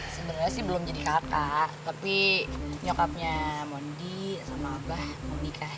sebenarnya sih belum jadi kakak tapi nyokapnya mondi sama abah mau nikah